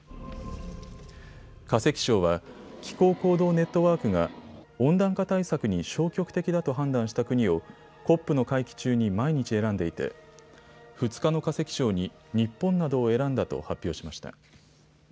化石賞は気候行動ネットワークが温暖化対策に消極的だと判断した国をＣＯＰの会期中に毎日選んでいて２日の化石賞に日本などを選んだと発表しました。